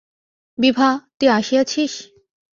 বিভা, তুই আসিয়াছিস?